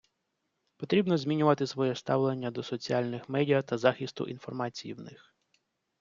Потрібно змінювати своє ставлення до соціальних медіа та захисту інформації в них.